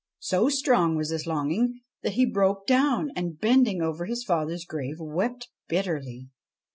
So strong was this longing that he broke down and, bending over his father's grave, wept bitterly.